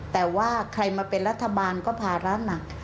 แต่ว่าใครมาเป็นรัฐบาลก็ภาระหนัก